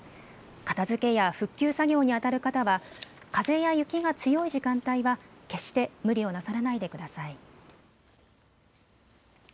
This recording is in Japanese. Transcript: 片づけや復旧作業にあたる方は風や雪が強い時間帯は決して無理をなさらないでください。